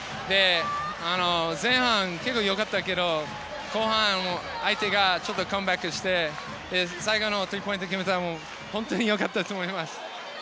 前半、結構良かったけど後半、相手がカムバックして最後スリーポイント決めたのも本当に良かったと思います。